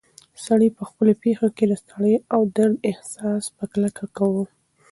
سړی په خپلو پښو کې د ستړیا او درد احساس په کلکه کاوه.